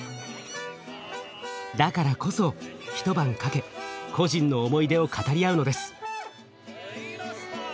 だからこそ一晩かけ故人の思い出を語り合うのです。